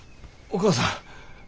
お義母さん。